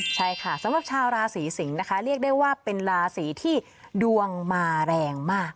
ใช่ค่ะสำหรับชาวราศีสิงศ์นะคะเรียกได้ว่าเป็นราศีที่ดวงมาแรงมาก